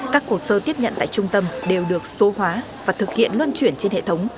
các hồ sơ tiếp nhận tại trung tâm đều được số hóa và thực hiện luân chuyển trên hệ thống